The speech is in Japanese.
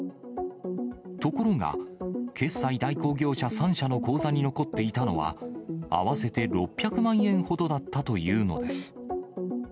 ところが、決済代行業者３社の口座に残っていたのは、合わせて６００万円ほどだったというのです。